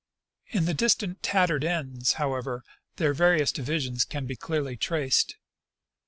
In the distant tattered ends, however, their various divisions can be clearly traced.